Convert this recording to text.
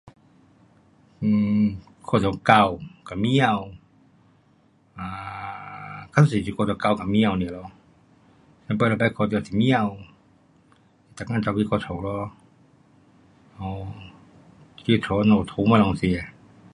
嗯，看到狗跟猫，啊，较多是看到狗跟猫尔咯。我每次是看到是猫，每天跑去我家咯，um 去家那里讨东西吃。